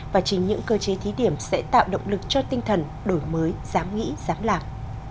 và chính những cơ chế thí điểm sẽ tạo động lực cho tinh thần đổi mới dám nghĩ dám làm